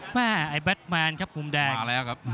ไอ้แบทแมนครับมุมแดงมาแล้วครับ